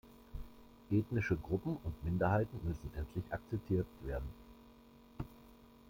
Ethnische Gruppen und Minderheiten müssen endlich akzeptiert werden.